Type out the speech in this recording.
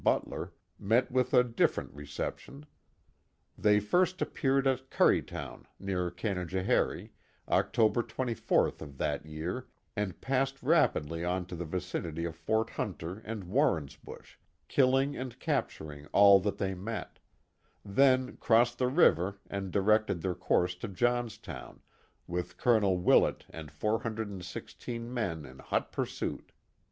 Butler met with a different re ception. They first appeared at Currytown, near Canajoharie, October 24th of that year, and passed rapidly on to the vicinity of Fort Hunter and Warrensbush, killing and capturing all that they met; then crossed the river and directed their course to Johnstown, with Colonel Willett and 416 men in hot pursuit.